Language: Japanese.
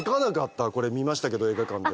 これ見ましたけど映画館で。